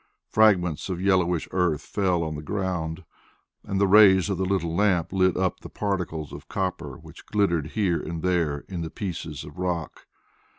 Fragments of yellowish earth fell on the ground, and the rays of the little lamp lit up the particles of copper which glittered here and there in the pieces of rock.